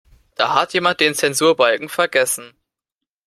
Da hat jemand den Zensurbalken vergessen.